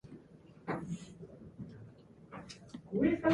During the Middle Ages, an Augustinian community was established at Kells nearby.